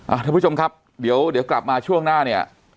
ท่านผู้ชมครับเดี๋ยวเดี๋ยวกลับมาช่วงหน้าเนี่ย